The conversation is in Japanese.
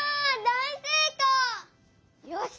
よし！